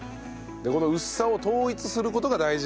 この薄さを統一する事が大事だと。